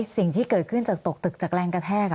สิ่งที่เกิดขึ้นจากตกตึกจากแรงกระแทก